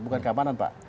bukan keamanan pak